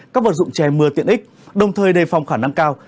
các vật dụng che mưa tiện ích đồng thời đề phòng khả năng cao